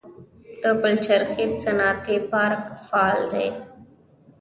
د پلچرخي صنعتي پارک فعال دی